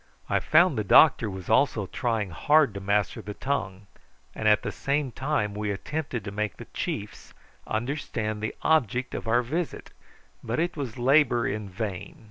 I found the doctor was also trying hard to master the tongue; and at the same time we attempted to make the chiefs understand the object of our visit, but it was labour in vain.